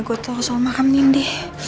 gue tau soal makam nindi